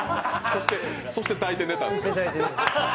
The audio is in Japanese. そして抱いて寝たん？